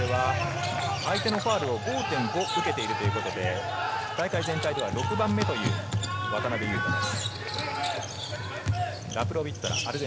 今大会の中では相手のファウルを５．５受けているということで、大会全体では６番目という渡邊雄太です。